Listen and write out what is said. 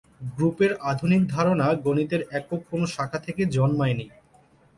গ্রুপের আধুনিক ধারণা গণিতের একক কোন শাখা থেকে জন্মায়নি।